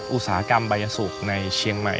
อุตสาหกรรมบายสุกในเชียงใหม่